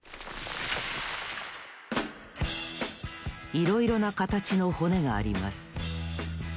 いろいろなかたちの骨があります。